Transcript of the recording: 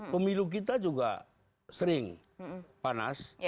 pemilu kita juga sering panas